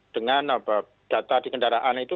dengan data di kendaraan itu